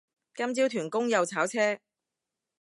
今朝屯公又炒車